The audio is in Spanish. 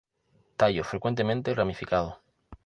Tallos frecuentemente ramificados.